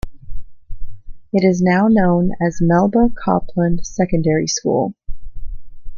It is now known as Melba Copland Secondary School.